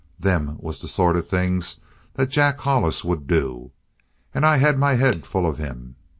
Them was the sort of things that Jack Hollis would do. And I had my head full of him.